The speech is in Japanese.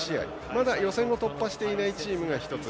まだ予選を突破していないチームが１つ。